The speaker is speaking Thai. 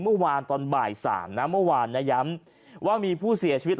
เมื่อวานตอนบ่าย๓นะเมื่อวานนะย้ำว่ามีผู้เสียชีวิต